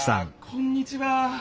こんにちは。